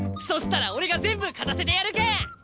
そしたら俺が全部勝たせてやるけん！